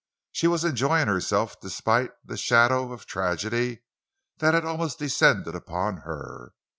She was enjoying herself despite the shadow of the tragedy that had almost descended upon her.